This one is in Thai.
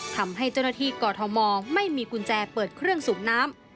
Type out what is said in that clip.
ทำให้เจ้าหน้าที่กอทมไม่มีกุญแจเปิดเครื่องสูบน้ำ